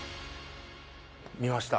見ました。